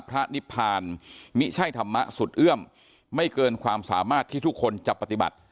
นิพพานมิใช่ธรรมะสุดเอื้อมไม่เกินความสามารถที่ทุกคนจะปฏิบัติ